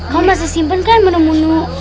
kamu masih simpen kan mene mene